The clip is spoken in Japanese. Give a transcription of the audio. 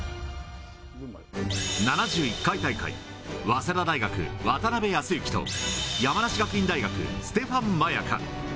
７１回大会、早稲田大学、渡辺康幸と山梨学院大学、ステファン・マヤカ。